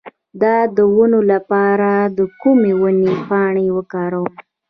د دانو لپاره د کومې ونې پاڼې وکاروم؟